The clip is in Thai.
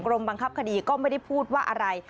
บังคับคดีก็ไม่ได้พูดว่าอะไร